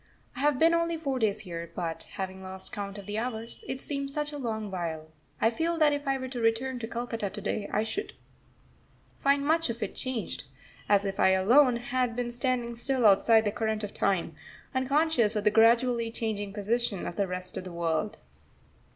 I have been only four days here, but, having lost count of the hours, it seems such a long while, I feel that if I were to return to Calcutta to day I should find much of it changed as if I alone had been standing still outside the current of time, unconscious of the gradually changing position of the rest of the world.